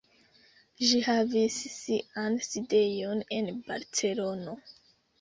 Ĝi havis sian sidejon en Barcelono.